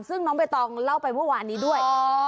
ซึ่งน้องใบตองเล่าไปเมื่อวานนี้ด้วย